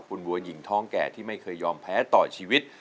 คุณบัวหญิงท้องแก่ที่ไม่เคยยอมแพ้ต่อชีวิต